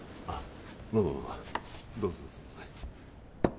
あっ